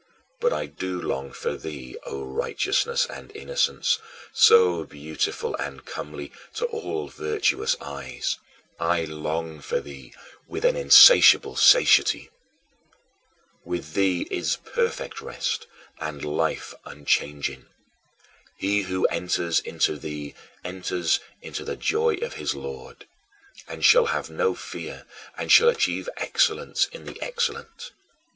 But I do long for thee, O Righteousness and Innocence, so beautiful and comely to all virtuous eyes I long for thee with an insatiable satiety. With thee is perfect rest, and life unchanging. He who enters into thee enters into the joy of his Lord, and shall have no fear and shall achieve excellence in the Excellent.